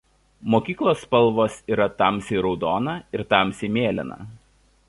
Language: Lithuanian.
Mokyklos spalvos yra tamsiai raudona ir tamsiai mėlyna.